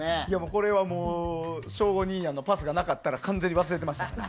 これはもう、省吾兄やんのパスがなかったら完全に忘れていました。